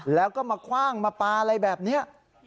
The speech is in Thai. แล้วก็มาคว่างมาปลาอะไรแบบนี้